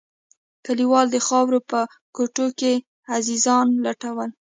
كليوالو د خاورو په کوټو کښې عزيزان لټول.